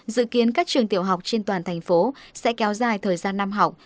dự kiến các trường tiểu học trên toàn thành phố sẽ kéo dài thời gian năm học